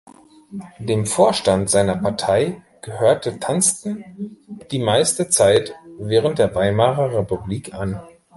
Dem Vorstand seiner Partei gehörte Tantzen die meiste Zeit während der Weimarer Republik an.